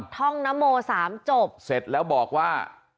ท่องนโมสามจบเสร็จแล้วบอกว่า